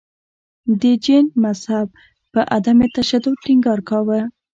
د جین مذهب په عدم تشدد ټینګار کاوه.